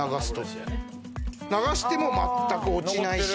流しても全く落ちないし。